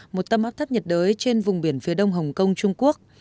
một tâm áp thấp nhiệt đới trên vùng biển phía đông hồng kông trung quốc